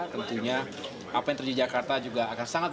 tentunya apa yang terjadi di jakarta juga akan sangat